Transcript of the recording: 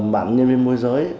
bạn nhân viên mô giới